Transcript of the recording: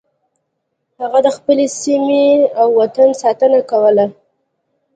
هغه د خپلې سیمې او وطن ساتنه کوله.